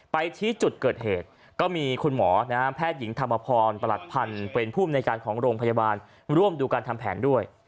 ไปชี้จุดเกิดเหตุก็มีคุณหมอนะฮะแพทย์หญิงธรรมพรประหลัดพันธ์เป็นภูมิในการของโรงพยาบาลร่วมดูการทำแผนด้วย